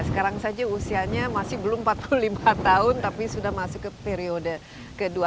sekarang saja usianya masih belum empat puluh lima tahun tapi sudah masuk ke periode kedua